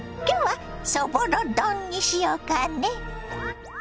今日はそぼろ丼にしようかね。